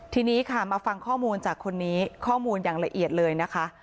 ทีนี้ค่ะมาฟังข้อมูลจากคนนี้ข้อมูลอย่างละเอียดเลยนะคะ